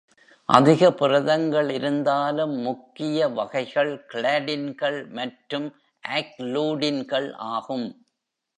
அதிக புரதங்கள் இருந்தாலும், முக்கிய வகைகள் கிளாடின்கள் மற்றும் ஆக்லூடின்கள் ஆகும்.